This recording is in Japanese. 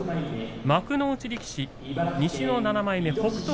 幕内力士西の７枚目北勝